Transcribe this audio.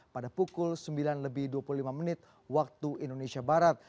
pada pukul sembilan lebih dua puluh lima menit waktu indonesia barat